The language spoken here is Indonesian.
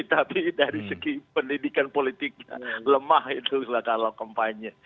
tapi dari segi pendidikan politiknya lemah itu kalau kempainya